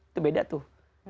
itu beda tuh